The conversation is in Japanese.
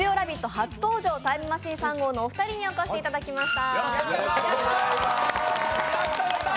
初登場、タイムマシーン３号のお二人にお越しいただきました。